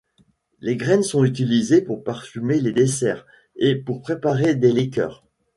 Les graines sont utilisées pour parfumer les desserts et pour préparer des liqueurs.